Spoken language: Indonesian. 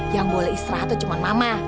yang boleh istirahat itu cuma mama